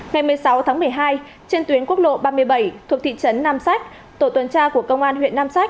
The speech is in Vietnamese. ngày một mươi sáu tháng một mươi hai trên tuyến quốc lộ ba mươi bảy thuộc thị trấn nam sách tổ tuần tra của công an huyện nam sách